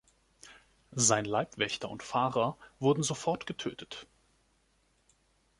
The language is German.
Sein Leibwächter und Fahrer wurden sofort getötet.